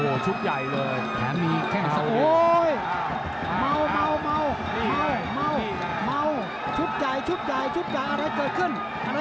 มอวชุบใจชุบใจอะไรเกิดขึ้น